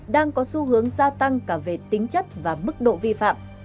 đang có xu hướng gia tăng cả về tính chất và mức độ vi phạm